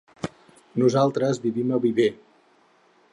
Nosaltres vivim a Viver.